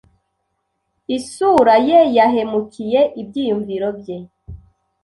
Isura ye yahemukiye ibyiyumvo bye.